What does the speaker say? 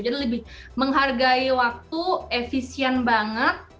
jadi lebih menghargai waktu efisien banget